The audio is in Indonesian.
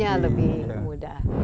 sudah akan lebih aksesnya lebih mudah